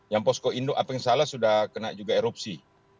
yang posko induk apa yang salah sudah kena juga erupsi